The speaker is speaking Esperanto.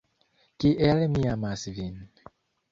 Kiel mi amas vin!